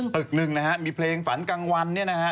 ตึกหนึ่งนะฮะมีเพลงฝันกลางวันเนี่ยนะฮะ